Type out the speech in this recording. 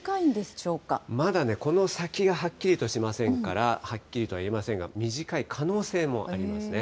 まだね、この先がはっきりしませんから、はっきりとは言えませんが、短い可能性もありますね。